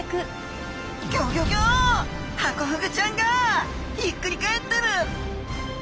ハコフグちゃんがひっくり返ってる！？